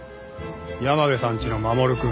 山部さんちの守くん。